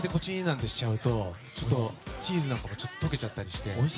ってしちゃうとチーズもちょっと溶けちゃったりして。